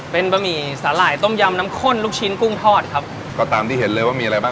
เป็นบะหมี่สาหร่ายต้มยำน้ำข้นลูกชิ้นกุ้งทอดครับก็ตามที่เห็นเลยว่ามีอะไรบ้าง